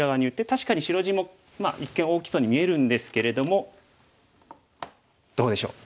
確かに白地も一見大きそうに見えるんですけれどもどうでしょう？